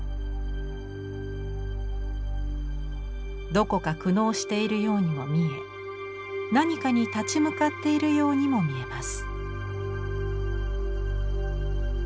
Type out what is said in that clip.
どこか苦悩しているようにも見え何かに立ち向かっているようにも見えます。